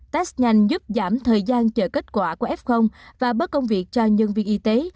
test nhanh giúp giảm thời gian chờ kết quả của f và bớt công việc cho nhân viên y tế